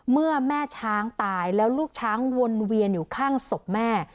เมื่อแม่ช้างตายแล้วลูกช้างวนเวียนอยู่ข้างศพแม่